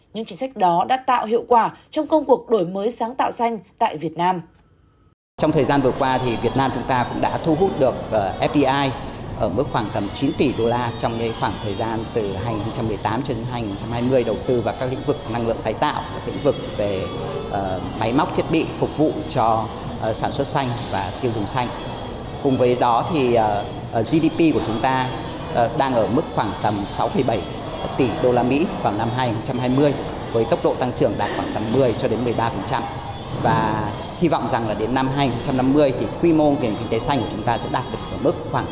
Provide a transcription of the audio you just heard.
những chính sách đó đã tạo hiệu quả trong công cuộc đổi mới sáng tạo xanh tại việt nam